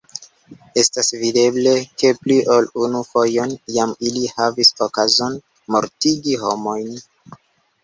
Estas videble, ke pli ol unu fojon jam ili havis okazon mortigi homojn!